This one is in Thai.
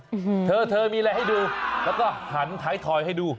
อืมเธอเธอมีอะไรให้ดูแล้วก็หันท้ายถอยให้ดู